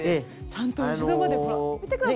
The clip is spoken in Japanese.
ちゃんと後ろまでほら見て下さい。